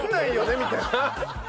みたいな話。